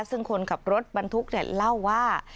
ซึ่งคนขับรถบรรทุกเล่าว่า